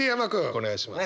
お願いします。